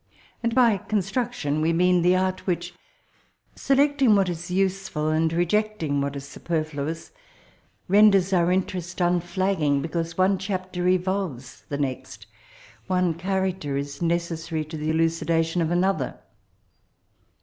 And by construction, we mean the art which^ selecting what is useful and rejectmg what is superfluous, ren ders our interest unflagging, be cause one chapter evolves the next, one character is necessary to the elucidation of another.